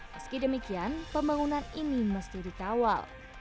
meski demikian pembangunan ini mesti dikawal